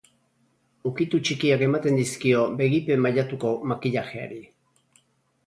Ukitu txikiak ematen dizkio begipe mailatuko makillajeari.